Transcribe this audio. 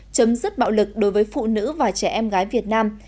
chấm dứt bạo lực đối với phụ nữ và trẻ em gái việt nam